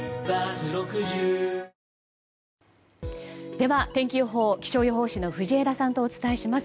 では、天気予報気象予報士の藤枝さんとお伝えします。